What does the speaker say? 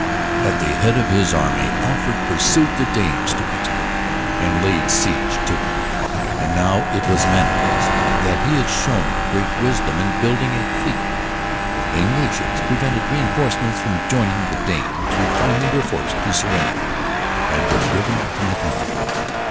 At the head of his army Alfred pursued the Danes to Exeter and laid siege to it. And now it was manifest that he had shown great wisdom in building a fleet, for the English ships prevented reenforcements from joining the Danes, who finally were forced to surrender and were driven from the country.